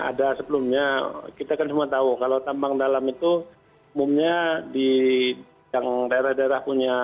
ada sebelumnya kita kan semua tahu kalau tambang dalam itu umumnya di yang daerah daerah punya